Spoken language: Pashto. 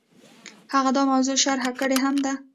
هغه دا موضوع شرح کړې هم ده.